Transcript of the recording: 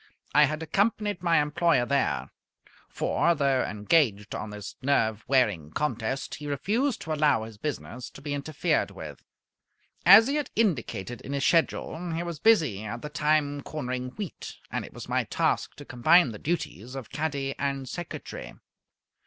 I had accompanied my employer there; for, though engaged on this nerve wearing contest, he refused to allow his business to be interfered with. As he had indicated in his schedule, he was busy at the time cornering wheat; and it was my task to combine the duties of caddy and secretary.